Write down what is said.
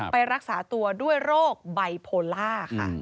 ไปรักษาตัวด้วยโรคไบโพล่าค่ะ